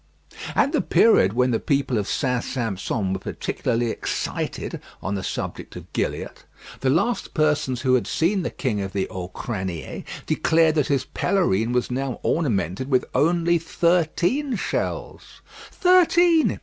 At the period when the people of St. Sampson were particularly excited on the subject of Gilliatt, the last persons who had seen the King of the Auxcriniers declared that his pelerine was now ornamented with only thirteen shells. Thirteen!